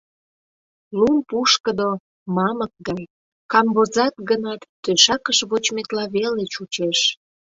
Лум пушкыдо, мамык гай, камвозат гынат, тӧшакыш вочметла веле чучеш.